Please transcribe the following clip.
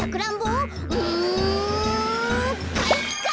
うんかいか！